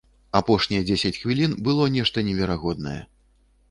Апошнія дзесяць хвілін было нешта неверагоднае.